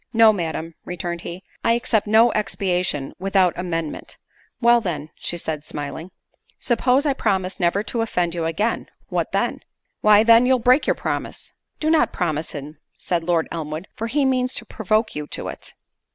"No, Madam," returned he, "I accept no expiation without amendment." "Well, then," said she, smiling, "suppose I promise never to offend you again, what then?" "Why, then, you'll break your promise." "Do not promise him," said Lord Elmwood, "for he means to provoke you to it."